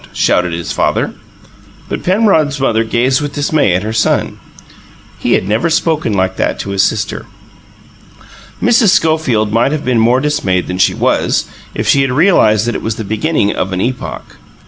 shouted his father. But Penrod's mother gazed with dismay at her son: he had never before spoken like that to his sister. Mrs. Schofield might have been more dismayed than she was, if she had realized that it was the beginning of an epoch.